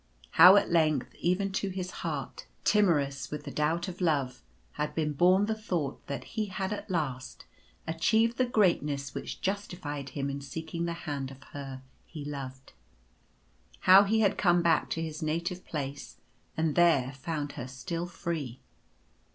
How at length even to his heart, timorcfus with the doubt of love, had been borne the thought that he had at last achieved the greatness which justified him in seeking the hand of her he loved. How he had come back to his native place, and there found her still free.